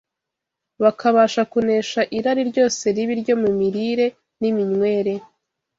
bakabasha kunesha irari ryose ribi ryo mu mirire n’iminywere